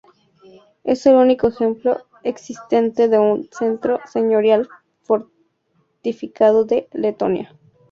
Es el único ejemplo existente de un centro señorial fortificado de Letonia.